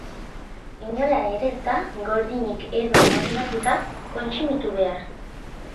Inola ere ez da gordinik edo marinatuta kontsumitu behar.